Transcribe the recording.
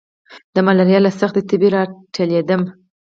د ملاريا له سختې تبي را لټېدم.